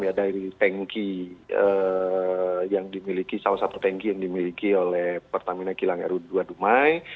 ya dari tanki yang dimiliki salah satu tanki yang dimiliki oleh pertamina kilang ru dua dumai